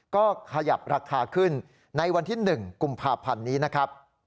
ก็ขยับราคาขึ้นในวันที่๑กุมภาพันธ์นี้นะครับ